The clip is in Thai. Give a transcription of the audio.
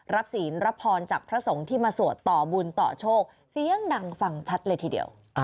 ศีลรับพรจากพระสงฆ์ที่มาสวดต่อบุญต่อโชคเสียงดังฟังชัดเลยทีเดียว